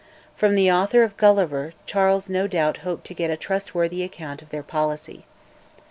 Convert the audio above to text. From the author of 'Gulliver' Charles no doubt hoped to get a trustworthy account of their policy.